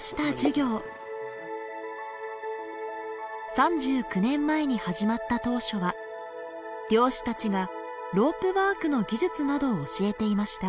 ３９年前に始まった当初は漁師たちがロープワークの技術などを教えていました。